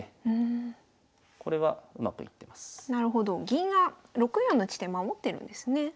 銀が６四の地点守ってるんですね。